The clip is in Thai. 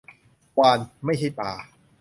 วาฬ ไม่ใช่ปลา